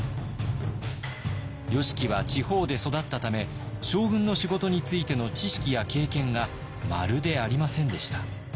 義材は地方で育ったため将軍の仕事についての知識や経験がまるでありませんでした。